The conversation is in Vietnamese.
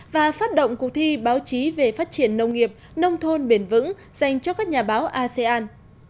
và phát động cuộc thi báo chí về phát triển nông nghiệp nông thôn bền vững dành cho các nhà báo asean